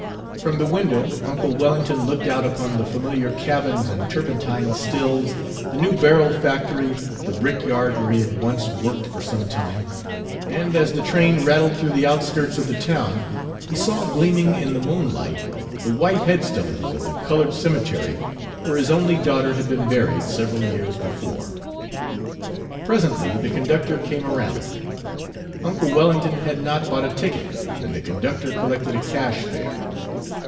From the window uncle Wellington looked out upon the familiar cabins and turpentine stills, the new barrel factory, the brickyard where he had once worked for some time; and as the train rattled through the outskirts of the town, he saw gleaming in the moonlight the white headstones of the colored cemetery where his only daughter had been buried several years before. Presently the conductor came around. Uncle Wellington had not bought a ticket, and the conductor collected a cash fare.